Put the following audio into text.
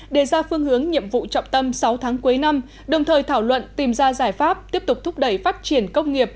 đề ra phương hướng nhiệm vụ trọng tâm sáu tháng cuối năm đồng thời thảo luận tìm ra giải pháp tiếp tục thúc đẩy phát triển công nghiệp